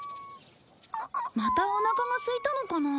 またおなかがすいたのかな？